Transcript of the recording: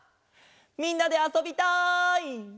みんなであそびたい！